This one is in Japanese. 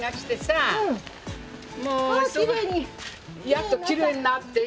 やっときれいになって。